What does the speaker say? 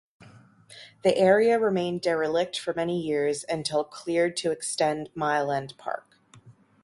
The area remained derelict for many years, until cleared to extend Mile End park.